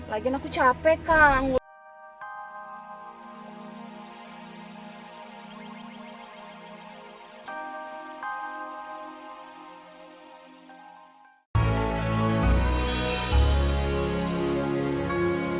lagian aku capek kak